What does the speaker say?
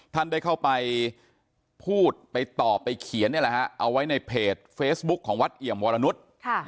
ท่านได้เข้าไปพูดไปตอบไปเขียนเอาไว้ในเพจเฟซบุ๊คของวัดเอี่ยมวรนุษย์